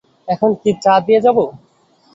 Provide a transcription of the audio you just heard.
এখন কি চা দিয়ে যাব?